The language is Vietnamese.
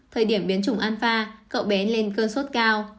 thời điểm biến chủng alpha cậu bé lên cơn suốt cao